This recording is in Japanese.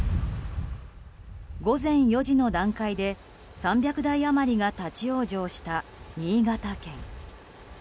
午前４時の段階で３００台余りが立ち往生した新潟県。